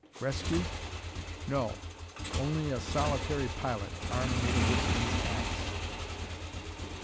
Rescue? No. Only a solitary pilot, armed with a woodsman's ax.